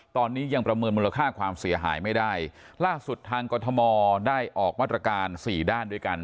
ตอนนี้ยังประเมินมูลค่าความเสียหายไม่ได้ล่าสุดทางกรทมได้ออกมาตรการสี่ด้านด้วยกัน